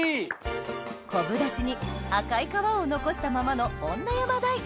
昆布出汁に赤い皮を残したままの女山大根